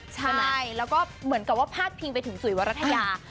ใช่แล้วก็เหมือนกับว่าพาดพิงไปถึงจุ๋ยวรัฐยา